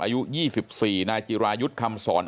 อายุ๒๔นายจิรายุทธ์คำสอน